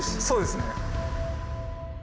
そうですね。